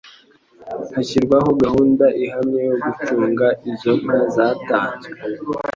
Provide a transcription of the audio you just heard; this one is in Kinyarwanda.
hashyirwaho gahunda ihamye yo gucunga izo nka zatanzwe